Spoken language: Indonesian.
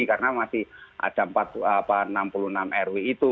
karena masih ada enam puluh enam rw itu